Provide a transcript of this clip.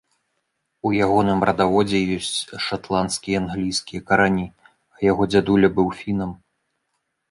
У ягоным радаводзе ёсць шатландскія і англійскія карані, а яго дзядуля быў фінам.